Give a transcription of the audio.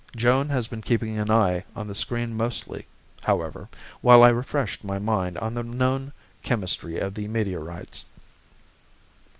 Joan has been keeping an eye on the screen mostly, however, while I refreshed my mind on the known chemistry of meteorites.